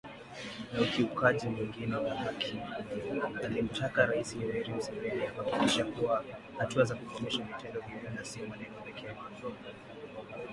Na ukiukwaji mwingine wa haki akimtaka Rais Yoweri Museveni kuhakikisha kuna hatua za kukomesha vitendo hivyo na sio maneno pekee.